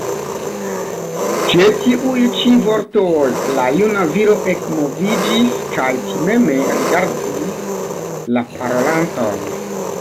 Ĉe tiuj ĉi vortoj la juna viro ekmoviĝis kaj timeme rigardis la parolanton.